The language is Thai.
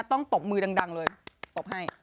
ตบมือดังเลยตบให้